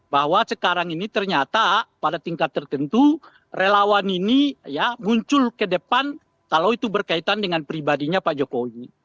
bahwa sekarang ini ternyata pada tingkat tertentu relawan ini ya muncul ke depan kalau itu berkaitan dengan pribadinya pak jokowi